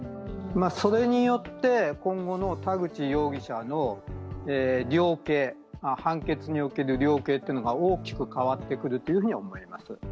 それによって、今後の田口容疑者の判決における量刑というのが大きく変わってくると思います。